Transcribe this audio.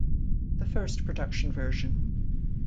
The first production version.